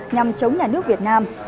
nhằm chống nhà nước việt nam